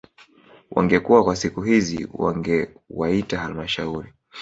Wangekuwa kwa siku hizi wangewaita halmashauri